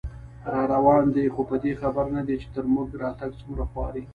راروان دی خو په دې خبر نه دی، چې تر موږه راتګ څومره خواري